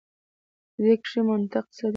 په دې کښي منطق څه دی.